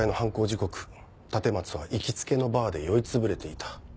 時刻立松は行きつけのバーで酔いつぶれていた。